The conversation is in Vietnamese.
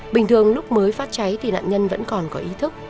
bình thường lúc mới phát cháy thì nạn nhân vẫn còn có ý thức